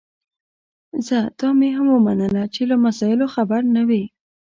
ځه دا مي هم ومنله چي له مسایلو خبر نه وې